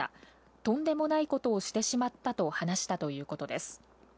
とんでもないことをしてしまったと話したということです。